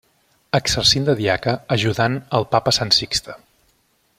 Exercint de diaca ajudant el papa Sant Sixte.